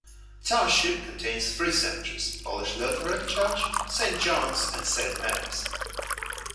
The township contains three cemeteries: Polish Lutheran Church, Saint John's and Saint Marys.